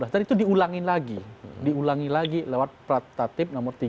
dan itu diulangi lagi diulangi lagi lewat tatib nomor tiga